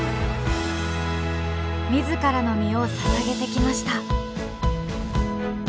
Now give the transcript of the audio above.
自らの身をささげてきました。